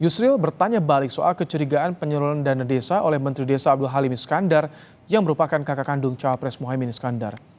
yusril bertanya balik soal kecurigaan penyeluruhan dana desa oleh menteri desa abdul halim iskandar yang merupakan kakak kandung cawapres mohaimin iskandar